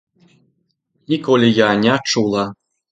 Ніколі я не чула.